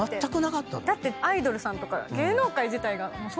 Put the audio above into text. だってアイドルさんとか芸能界自体がそうですよね。